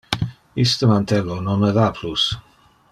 Iste mantello non me va plus.